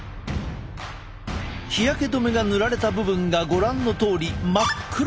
日焼け止めが塗られた部分がご覧のとおり真っ黒に見える。